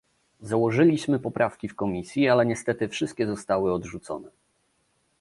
Złożyliśmy poprawki w komisji, ale niestety wszystkie zostały odrzucone